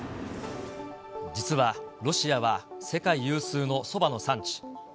実はロシアは世界有数のそばの産地。